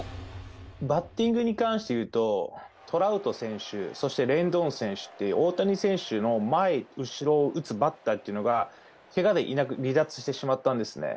バッティングに関していうと、トラウト選手、そしてレンドーン選手って、大谷選手の前、後ろを打つバッターというのがけがで離脱してしまったんですね。